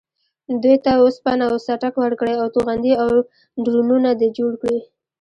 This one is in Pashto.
دوی ته وسپنه و څټک ورکړې او توغندي او ډرونونه دې جوړ کړي.